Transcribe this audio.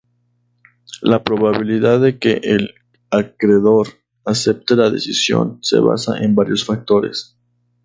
La probabilidad de que el acreedor acepte la decisión se basa en varios factores.